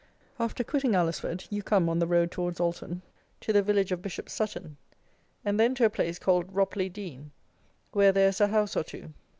After quitting Alresford you come (on the road towards Alton) to the village of Bishop's Sutton; and then to a place called Ropley Dean, where there is a house or two.